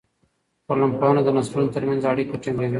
ټولنپوهنه د نسلونو ترمنځ اړیکه ټینګوي.